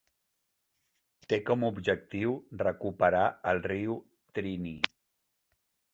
Té com a objectiu recuperar el riu Triniy.